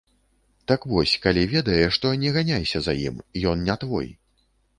Так вось, калі ведаеш, то не ганяйся за ім, ён не твой.